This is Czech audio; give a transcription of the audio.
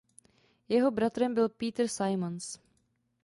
Jeho bratrem byl Peter Simons.